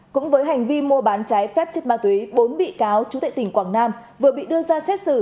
cũng với hành vi mua bán trái phép chất ma túy bốn bị cáo trú tại tỉnh quảng nam vừa bị đưa ra xét xử